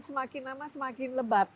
semakin lama semakin lebat